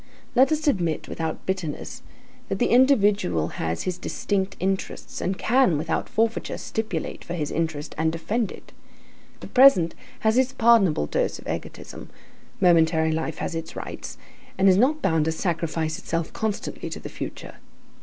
Let us admit without bitterness, that the individual has his distinct interests, and can, without forfeiture, stipulate for his interest, and defend it; the present has its pardonable dose of egotism; momentary life has its rights, and is not bound to sacrifice itself constantly to the future.